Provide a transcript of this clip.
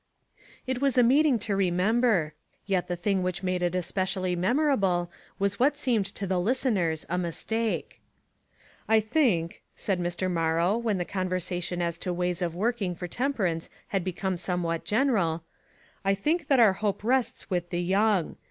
It was a meeting to remember, yet the thing which made it especially memorable was what seemed to the listeners a mistake. " I think," said Mr. Morrow, when the conversation as to wa} s of working for temperance had become somewhat general, " I think that our hope rests with the young.